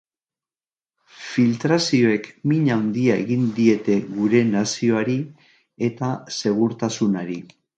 Filtrazioek min handia egin diete gure nazioari eta segurtasunari.